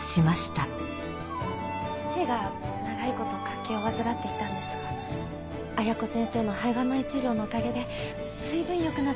父が長い事脚気を患っていたんですが綾子先生の胚芽米治療のおかげで随分良くなったんです。